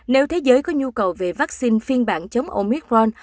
nếu thế giới có nhu cầu về vaccine phiên bản chống oicron